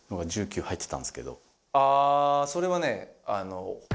あそれはねあの。